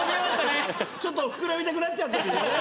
ちょっと膨らみたくなっちゃったんでしょうね。